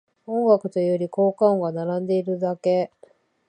音楽というより効果音が並んでるだけ